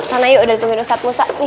sana yuk udah ditungguin ustazah